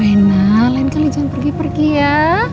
enak lain kali jangan pergi pergi ya